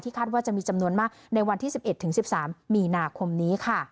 คาดว่าจะมีจำนวนมากในวันที่๑๑๑๓มีนาคมนี้ค่ะ